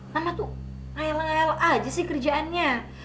mama tuh ngayal ngayal aja sih kerjaannya